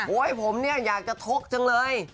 โฮยผมเนี่ยอยากจะทบจดเลย